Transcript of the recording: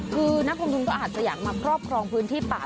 คือนักลงทุนก็อาจจะอยากมาครอบครองพื้นที่ป่า